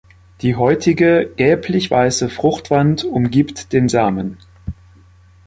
Die häutige, gelblich-weiße Fruchtwand umgibt den Samen.